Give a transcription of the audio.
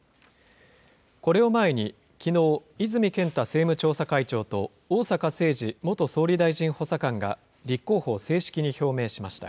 これを前にきのう、泉健太政務調査会長と、逢坂誠二元総理大臣補佐官が立候補を正式に表明しました。